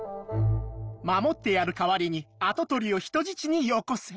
守ってやる代わりに跡取りを人質によこせ。